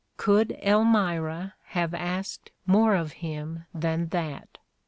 Could Elmira have asked more of him than that?